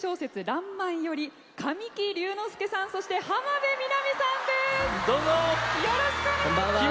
「らんまん」より神木隆之介さんそして浜辺美波さんです。